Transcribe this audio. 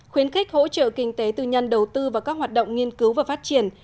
khuyến khích hỗ trợ kinh tế tư nhân đầu tư vào các hoạt động nghiên cứu và phát triển